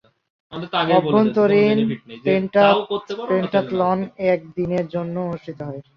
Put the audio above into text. অভ্যন্তরীণ পেন্টাথলন এক দিনের জন্য অনুষ্ঠিত হয়।